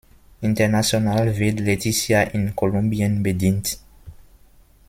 International wird Leticia in Kolumbien bedient.